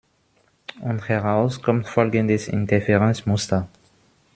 Und heraus kommt folgendes Interferenzmuster.